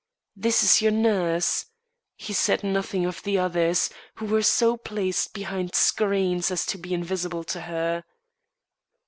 This is your nurse." He said nothing of the others, who were so placed behind screens as to be invisible to her.